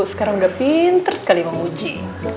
sekarang udah pinter sekali memuji